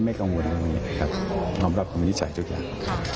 ไม่กังวลแบบนี้ครับรอบรับคุณมินิจฉัยทุกอย่าง